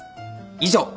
以上。